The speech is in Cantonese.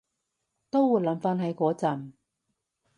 都會諗返起嗰陣